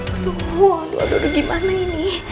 aduh aduh udah gimana ini